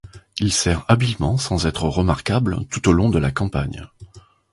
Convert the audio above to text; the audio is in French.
Il sert habilement sans être remarquable tout au long de la campagne.